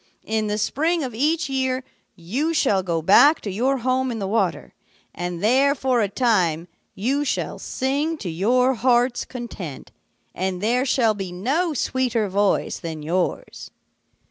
In the spring of each year you shall go back to your home in the water, and there for a time you shall sing to your heart's content, and there shall be no sweeter voice than yours.'